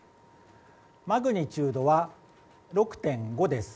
マグニチュードは６．５です。